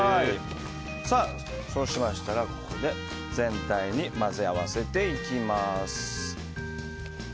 そうしましたら、ここで全体に混ぜ合わせていきます。